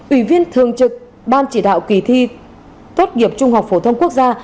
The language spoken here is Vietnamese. ủy viên thường trực ban chỉ đạo kỳ thi tốt nghiệp trung học phổ thông quốc gia